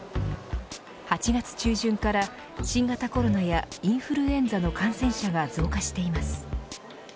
８月中旬から新型コロナやインフルエンザの感染者が増加しています。